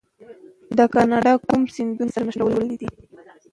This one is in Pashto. دا کانال کوم سمندرونه سره نښلولي دي؟